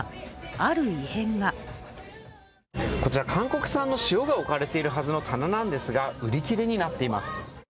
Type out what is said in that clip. ある異変がこちら韓国産の塩が置かれているはずの棚なんですが売り切れになっています。